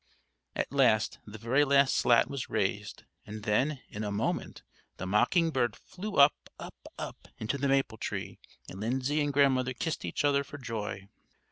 At last, the very last slat was raised; and then, in a moment, the mocking bird flew up, up, up into the maple tree, and Lindsay and Grandmother kissed each other for joy.